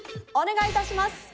お願い致します！